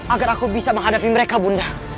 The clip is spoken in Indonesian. agar aku bisa menghadapi mereka bunda